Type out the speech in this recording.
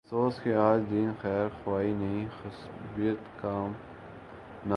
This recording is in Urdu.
افسوس کہ آج دین خیر خواہی نہیں، عصبیت کا نام ہے۔